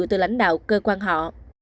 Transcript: từ lãnh đạo cơ quan họ